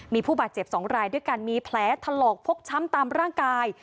มีผู้บาดเจ็บ๒รายด้วยกันมีแผลถลอกพกช้ำตามร่างกาย